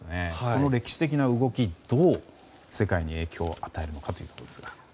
この歴史的な動き、どう世界に影響を与えるのかということですが。